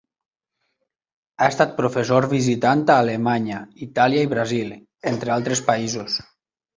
Ha estat professor visitant a Alemanya, Itàlia i Brasil, entre altres països.